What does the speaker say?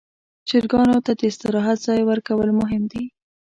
چرګانو ته د استراحت ځای ورکول مهم دي.